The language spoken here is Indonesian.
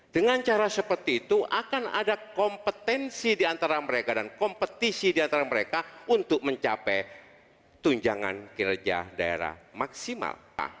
dengan cara seperti itu akan ada kompetensi diantara mereka dan kompetisi diantara mereka untuk mencapai tunjangan kinerja daerah maksimal